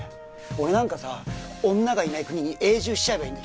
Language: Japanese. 俺なんかさ女いない国に永住すればいいんだ